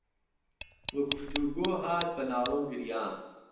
وە گوفتووگۆ هات به ناڵه و گریان